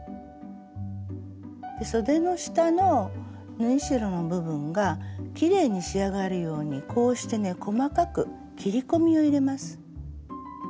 そでの下の縫い代の部分がきれいに仕上がるようにこうしてね細かく切り込みを入れます。